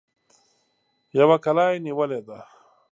يوه کلا يې نيولې ده.